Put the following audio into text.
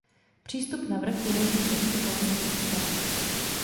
Přístup na vrch je možný pěšky po lesních cestách.